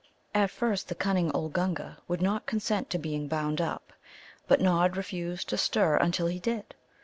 At first the cunning old Gunga would not consent to be bound up. But Nod refused to stir until he did.